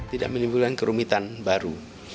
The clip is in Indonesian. tidak menimbulkan kerumitan baru